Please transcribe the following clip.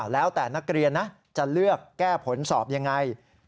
แล้วแต่นักเรียนนะจะเลือกแก้ผลสอบยังไง